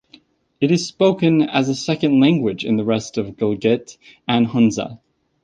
It is spoken as a second language in the rest of Gilgit and Hunza.